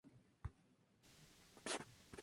En el torneo participaron selecciones absolutas.